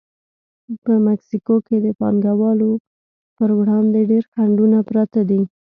په مکسیکو کې د پانګوالو پر وړاندې ډېر خنډونه پراته دي.